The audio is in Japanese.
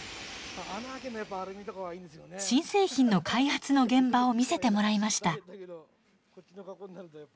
新製品の開発の現場を見せてもらいました。